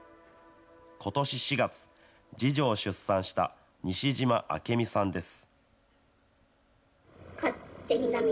ことし４月、次女を出産した西島明美さんです。